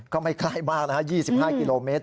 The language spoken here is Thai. ก็ไม่ใกล้มากนะฮะ๒๕กิโลเมตร